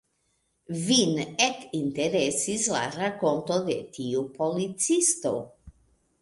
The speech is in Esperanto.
Vin ekinteresis la rakonto de tiu policisto.